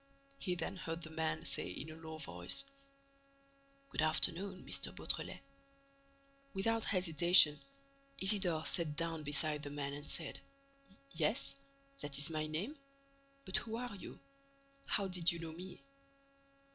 He then heard the man say in a low voice: "Good afternoon, M. Beautrelet." Without hesitation, Isidore sat down beside the man and said: "Yes, that is my name—but who are you? How did you know me?"